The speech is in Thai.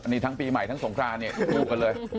นี่ทั้งปีใหม่ทั้งสงครานเนี่ยคู่กันเลย